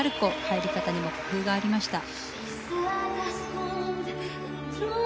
入り方にも工夫がありました。